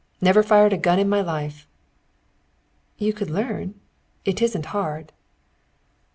Never fired a gun in my life." "You could learn. It isn't hard."